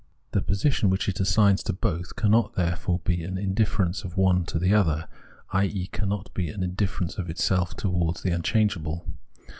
The position, which it assigns to both, cannot, therefore, be an indifference of one to the other, i.e. cannot be an indifference of itself towards the unchangeable.